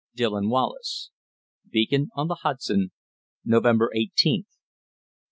DILLON WALLACE. Beacon on the Hudson, November eighteenth, 1913.